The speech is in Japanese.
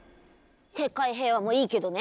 世界平和もいいけどね